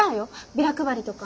ビラ配りとか。